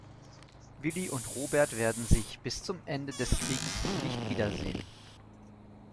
Willie und Robert werden sich bis zum Ende des Kriegs nicht wiedersehen.